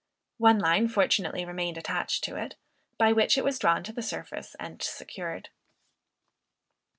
One line fortunately remained attached to it, by which it was drawn to the surface and secured.